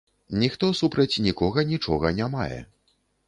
Ніхто супраць нікога нічога не мае.